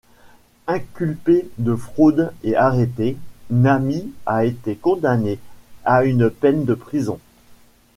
Inculpé de fraude et arrêté, Nami a été condamné à une peine de prison.